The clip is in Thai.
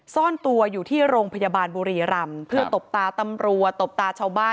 ซ่อนตัวอยู่ที่โรงพยาบาลบุรีรำเพื่อตบตาตำรวจตบตาชาวบ้าน